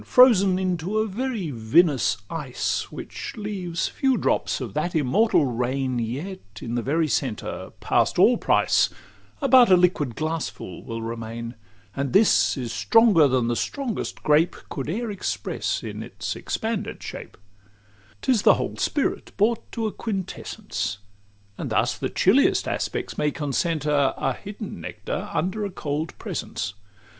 Frozen into a very vinous ice, Which leaves few drops of that immortal rain, Yet in the very centre, past all price, About a liquid glassful will remain; And this is stronger than the strongest grape Could e'er express in its expanded shape: XXXVIII 'T is the whole spirit brought to a quintessence; And thus the chilliest aspects may concentre A hidden nectar under a cold presence.